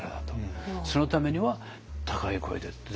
そのためには高い声でって。